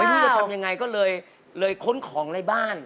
ไม่รู้จะทำยังไงก็เลยค้นของในบ้าน